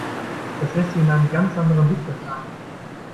Das lässt sie in einem ganz anderem Licht erscheinen.